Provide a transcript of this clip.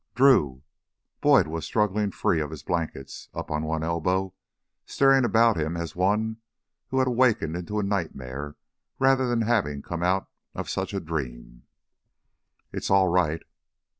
"Drew!" Boyd was struggling free of his blankets, up on one elbow, staring about him as one who had wakened into a nightmare rather than having come out of such a dream. "It's all right...."